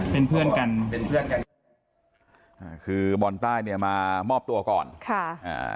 เป็นเพื่อนกันเป็นเพื่อนกันอ่าคือบอลใต้เนี่ยมามอบตัวก่อนค่ะอ่า